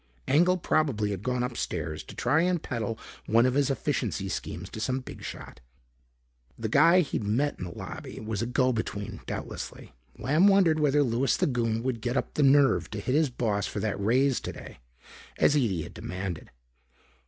Engel probably had gone upstairs to try and peddle one of his efficiency schemes to some big shot. The guy he'd met in the lobby was a go between, doubtlessly. Lamb wondered whether Louis the Goon would get up the nerve to hit his boss for that raise today, as Ede had demanded.